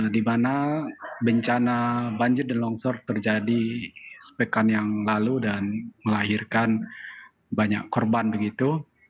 di mana bencana banjir dan longsor terjadi sepekan yang lalu dan melahirkan banyak korban begitu